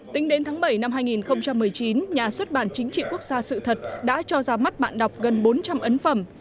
tính đến tháng bảy năm hai nghìn một mươi chín nhà xuất bản chính trị quốc gia sự thật đã cho ra mắt bạn đọc gần bốn trăm linh ấn phẩm